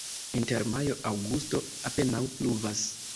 Inter majo-aŭgusto apenaŭ pluvas.